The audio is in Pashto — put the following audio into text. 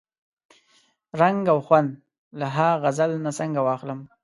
رنګ او خوند له ها غزل نه څنګه واخلم؟